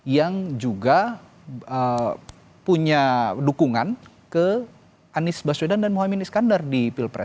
yang juga punya dukungan ke anies baswedan dan muhaymin iskandar di pilpres